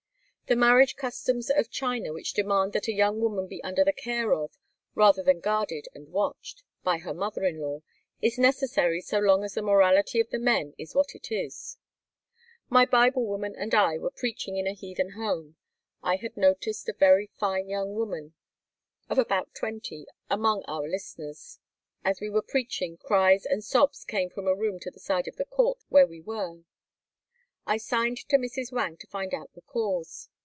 The marriage customs of China which demand that a young woman be under the care of, or rather guarded and watched, by her mother in law is necessary so long as the morality of the men is what it is. My Bible woman and I were preaching in a heathen home. I had noticed a very fine young woman of about twenty among pur listeners. As we were preaching cries and sobs came from a room to the side of the court where we were. I signed to Mrs. Wang to find out the cause.